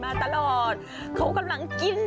เดี๋ยวขอถอยเผานะคะเดี๋ยวเขาตกใจกันนะคะ